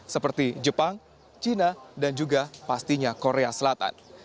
seperti jepang cina dan juga pastinya korea selatan